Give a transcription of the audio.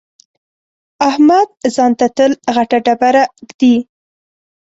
احمد ځان ته تل غټه ډبره اېږدي.